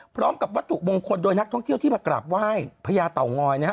พร้อมกับวัตถุมงคลโดยนักท่องเที่ยวที่มากราบไหว้พญาเต่างอยนะฮะ